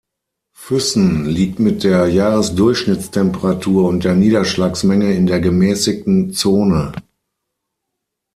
Füssen liegt mit der Jahresdurchschnittstemperatur und der Niederschlagsmenge in der gemäßigten Zone.